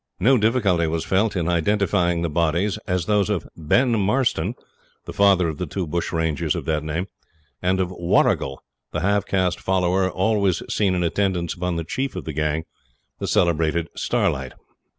No difficulty was felt in identifying the bodies as those of Ben Marston, the father of the two bush rangers of that name, and of Warrigal, the half caste follower always seen in attendance upon the chief of the gang, the celebrated Starlight.